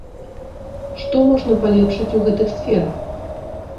Што можна палепшыць у гэтых сферах?